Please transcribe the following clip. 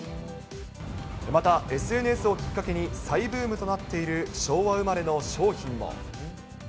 また、ＳＮＳをきっかけに再ブームとなっている昭和生まれの商品も。